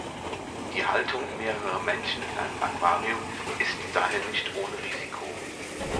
Die Haltung mehrerer Männchen in einem Aquarium ist daher nicht ohne Risiko.